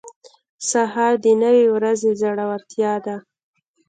سهار د نوې ورځې زړورتیا ده.